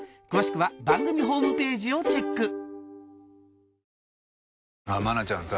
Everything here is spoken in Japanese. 詳しくは番組ホームページをチェック